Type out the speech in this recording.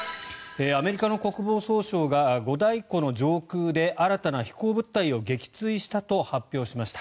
アメリカの国防総省が五大湖の上空で新たな飛行物体を撃墜したと発表しました。